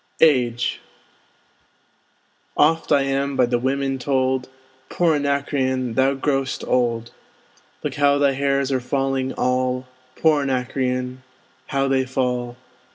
AGE Oft am I by the women told, Poor Anacreon, thou grow'st old! Look how thy hairs are falling all; Poor Anacreon, how they fall!